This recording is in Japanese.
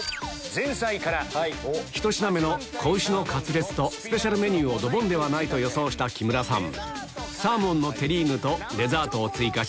１品目の子牛のカツレツとスペシャルメニューをドボンではないと予想した木村さん